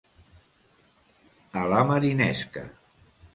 A la marinesca.